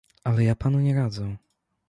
"Ale ja panu nie radzę."